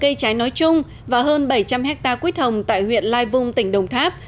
cây trái nói chung và hơn bảy trăm linh hectare quyết hồng tại huyện lai vung tỉnh đồng tháp